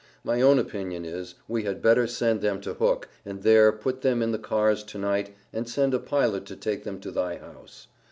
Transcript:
My own opinion is, we had better send them to Hook and there put them in the cars to night and send a pilot to take them to thy house.